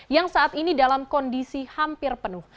yang saat ini dalam kondisi hampir penuh